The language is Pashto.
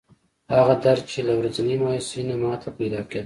هغه درد چې له ورځنۍ مایوسۍ نه ماته پیدا کېده.